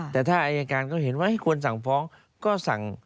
แต่ถ้าอายการก็เห็นว่าให้ควรสั่งฟ้องก็สั่ง